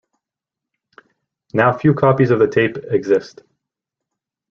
Now few copies of the tape exist.